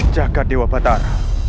jaga dewa batara